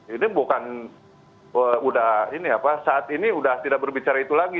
ini bukan saat ini sudah tidak berbicara itu lagi